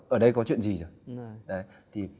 ở đây có chuyện gì rồi